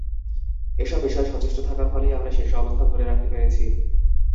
এসব বিষয়ে সচেষ্ট থাকার ফলেই আমরা শীর্ষ অবস্থান ধরে রাখতে পেরেছি।